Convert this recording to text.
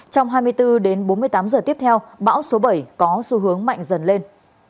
trong hai mươi bốn đến bốn mươi tám giờ tiếp theo bão số bảy có xu hướng mạnh dần lên